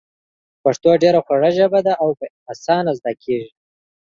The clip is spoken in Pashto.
پښتو ډېره خوږه ژبه ده او په اسانه زده کېږي.